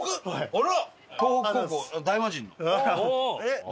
あら！